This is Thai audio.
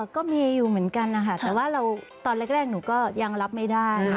ก็มีอยู่เหมือนกันนะคะแต่ว่าเราตอนแรกหนูก็ยังรับไม่ได้